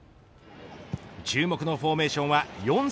注目のフォーメーションは４ー３ー３。